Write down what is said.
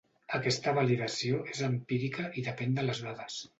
Aquesta validació és empírica i depèn de les dades.